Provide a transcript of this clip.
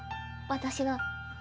私が。